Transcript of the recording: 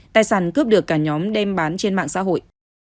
tài sản cướp được cả nhóm đem bán trên mạng xã hội